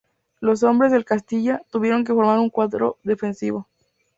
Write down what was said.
Los hombres del "Castilla" tuvieron que formar un cuadro defensivo.